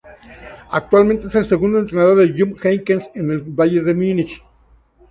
Actualmente es el segundo entrenador de Jupp Heynckes en el Bayern de Múnich.